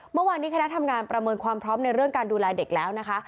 เมื่อวานนี้คณะทำงานประเมินความพร้อมในเรื่องการดูแลเด็กแล้วนะคะ